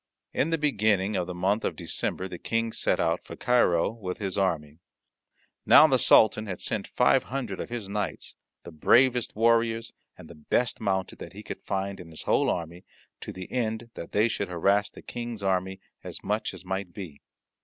In the beginning of the month of December the King set out for Cairo with his army. Now the Sultan had sent five hundred of his knights, the bravest warriors and the best mounted that he could find in his whole army, to the end that they should harass the King's army as much as might be.